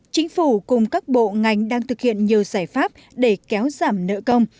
chính phủ cùng các bộ ngành đang thực hiện nhiều giải pháp để kéo giảm nợ công